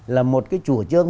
là một cái chủ trương